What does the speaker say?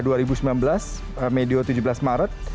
di daerah medio tujuh belas maret